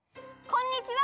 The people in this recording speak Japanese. こんにちは！